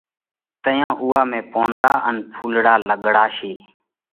تئيون اُوئا ۾ پونَڙا ان ڦُولڙا لڳاڙشي۔